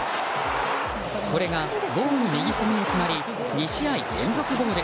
これがゴール右隅へ決まり２試合連続ゴール。